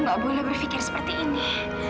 enggak aku gak boleh berpikir seperti ini